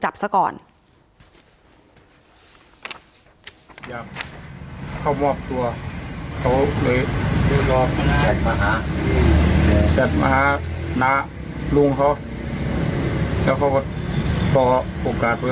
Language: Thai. อ๋อเจ้าสีสุข่าวของสิ้นพอได้ด้วย